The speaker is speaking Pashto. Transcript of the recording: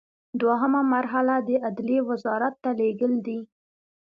دوهمه مرحله د عدلیې وزارت ته لیږل دي.